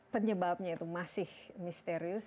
penyebabnya itu masih misterius